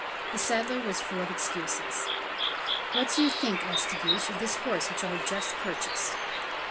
The saddler was full of excuses. "What do you think," asked De Guiche, "of this horse, which I have just purchased?"